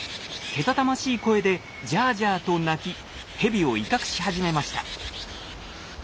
けたたましい声で「ジャージャー」と鳴きヘビを威嚇し始めました。